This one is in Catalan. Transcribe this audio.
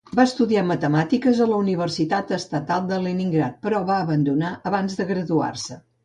Va estudiar matemàtiques a la Universitat Estatal de Leningrad, però va abandonar abans de graduar-se.